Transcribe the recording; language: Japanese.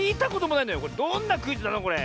これどんなクイズなのこれ？